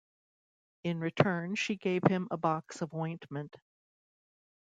In return, she gave him a box of ointment.